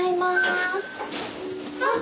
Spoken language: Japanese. ・あっ。